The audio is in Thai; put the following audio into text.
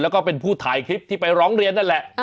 แล้วก็เป็นผู้ถ่ายคลิปที่ไปร้องเรียนนั่นแหละ